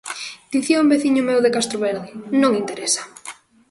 Dicía un veciño meu de Castroverde: "Non interesa".